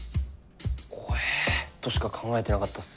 怖えぇとしか考えてなかったっす。